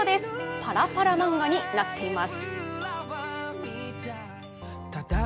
パラパラ漫画になっています。